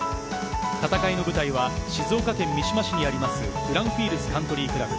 戦いの舞台は静岡県三島市にあります、グランフィールズカントリークラブ。